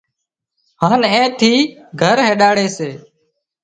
هانَ اين ٿي گھر هينڏاڙي سي